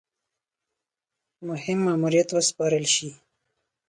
مهم ماموریت وسپارل شي.